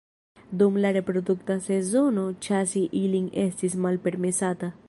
Dum la reprodukta sezono ĉasi ilin estis malpermesata.